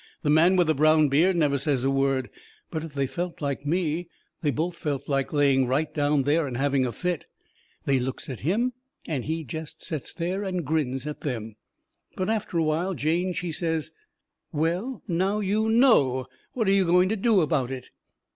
The man with the brown beard never says a word. But if they felt like me they both felt like laying right down there and having a fit. They looks at him and he jest sets there and grins at them. But after a while Jane, she says: "Well, now you KNOW! What are you going to do about it?"